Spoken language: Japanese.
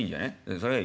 それがいい。